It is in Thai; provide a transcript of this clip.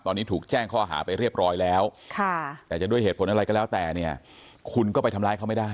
ตอนนี้ถูกแจ้งข้อหาไปเรียบร้อยแล้วแต่จะด้วยเหตุผลอะไรก็แล้วแต่เนี่ยคุณก็ไปทำร้ายเขาไม่ได้